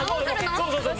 そうそうそう。